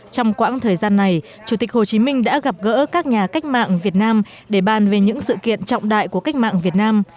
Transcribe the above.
trong quãng thời gian này chủ tịch hồ chí minh đã gặp gỡ các nhà cách mạng việt nam để bàn về những sự kiện trọng đại của cách mạng việt nam